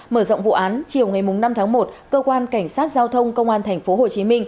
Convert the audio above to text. mở rộng vụ án chiều ngày năm tháng một cơ quan cảnh sát giao thông công an tp hcm